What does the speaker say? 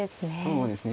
そうですね。